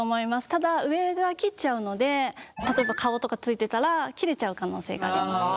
ただ上側切っちゃうので例えば顔とかついてたら切れちゃう可能性があります。